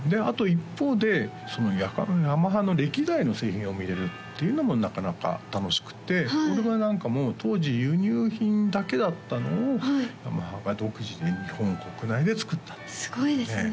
一方でヤマハの歴代の製品を見れるっていうのもなかなか楽しくてオルガンなんかも当時輸入品だけだったのをヤマハが独自に日本国内で作ったとすごいですね